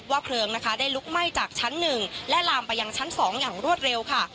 เพลิงนะคะได้ลุกไหม้จากชั้น๑และลามไปยังชั้น๒อย่างรวดเร็วค่ะ